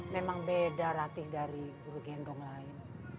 memang beda ratih dari guru gendong lain